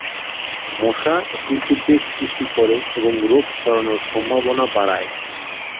মশা একটি উদ্বেগ সৃষ্টি করে এবং রোগ ছড়ানোর সম্ভাবনা বাড়ায়।